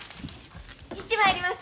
行ってまいります。